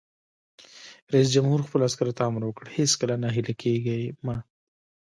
رئیس جمهور خپلو عسکرو ته امر وکړ؛ هیڅکله ناهیلي کیږئ مه!